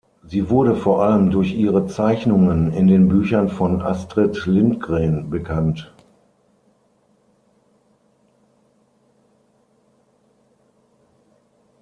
Sie wurde vor allem durch ihre Zeichnungen in den Büchern von Astrid Lindgren bekannt.